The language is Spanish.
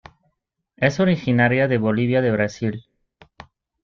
Es originaria de Bolivia de Brasil.